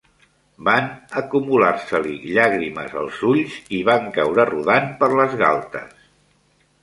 Van acumular-se-li llàgrimes als ulls i van caure rodant per les galtes.